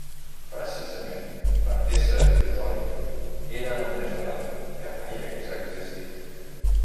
Precisament per ésser il·lusori era el més real que mai hagués existit